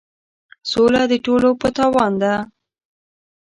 سوله د ټولو په تاوان ده.